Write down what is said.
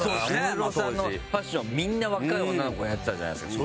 安室さんのファッションみんな若い女の子がやってたじゃないですか。